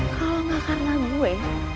kalau gak karena gue